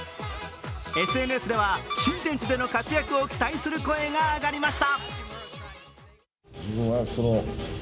ＳＮＳでは新天地での活躍を期待する声が上がりました。